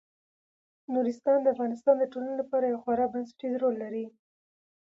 نورستان د افغانستان د ټولنې لپاره یو خورا بنسټيز رول لري.